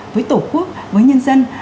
với tổ quốc với nhân dân